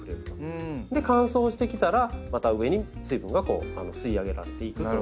で乾燥してきたらまた上に水分が吸い上げられていくという。